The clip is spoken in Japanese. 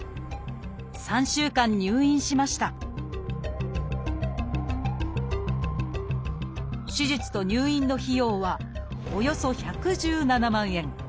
３週間入院しました手術と入院の費用はおよそ１１７万円。